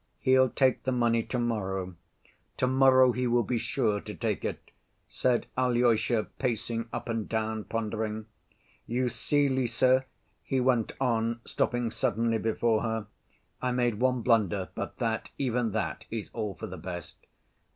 He'll take the money to‐morrow. To‐morrow he will be sure to take it," said Alyosha, pacing up and down, pondering. "You see, Lise," he went on, stopping suddenly before her, "I made one blunder, but that, even that, is all for the best."